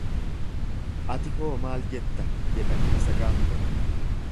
Ati hoo maal jetta? jedhanii isa gaafatan.